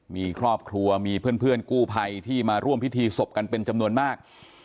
มีครอบครัวมีเพื่อนกู้ภัยที่มาร่วมพิธีศพกันเป็นจำนวนมาก